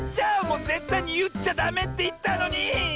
もうぜったいにいっちゃダメっていったのに！